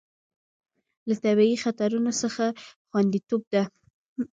له طبیعي خطرونو څخه خوندیتوب ده.